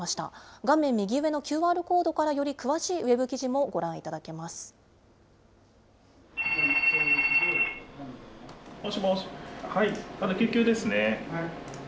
画面右上のＱＲコードから、より詳しいウェブ記事もご覧いただけもしもし、救急ですね。